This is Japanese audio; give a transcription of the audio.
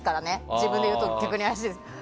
自分で言うと怪しいですけど。